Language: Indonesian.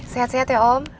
sehat sehat ya om